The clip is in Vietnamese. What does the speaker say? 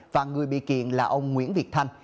và người bị kiện là ông nguyễn việt thanh